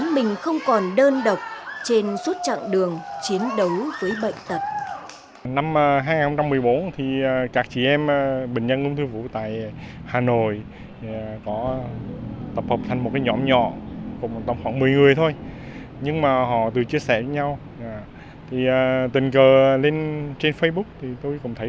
mình không còn đơn độc trên suốt chặng đường chiến đấu với bệnh tật